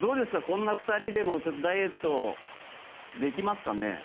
こんな２人でもちょっとダイエットできますかね？